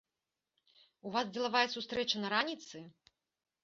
У вас дзелавая сустрэча на раніцы?